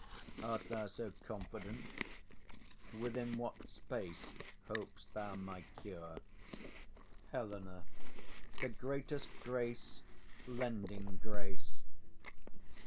Art thou so confident? Within what space Hop'st thou my cure? HELENA. The greatest grace lending grace.